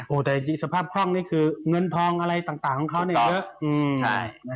แต่สภาพคล่องนี่คือเงินทองอะไรต่างของเขาเนี่ยเยอะ